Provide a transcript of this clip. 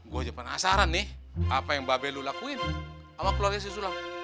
gue aja penasaran nih apa yang babe lu lakuin sama keluarga si sulam